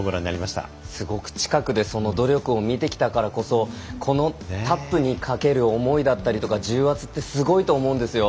すごく近くで努力を見てきたからこそこのタップにかける思いだったり重圧は、すごいと思うんですよ。